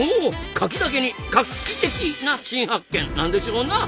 カキだけにカッキテキな新発見なんでしょうなあ。